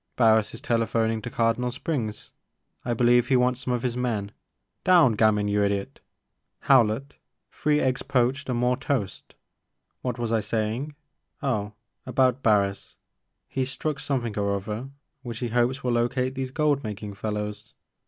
Barris is telephoning to Cardinal Springs, — I believe he wants some of his men, — down! Gamin, you idiot ! Howlett, three eggs poached and more toast, — ^what was I saying ? Oh, about Barris ; he 's struck something or other which he hopes will locate these gold making fellows.